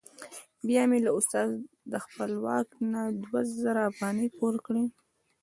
بیا مې له استاد خپلواک نه دوه زره افغانۍ پور کړې.